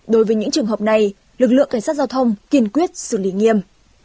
đối với những trường hợp này lực lượng cảnh sát giao thông kiên quyết xử lý nghiêm